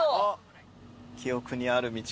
記憶にある道が。